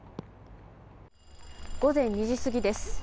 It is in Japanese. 午前２時過ぎです。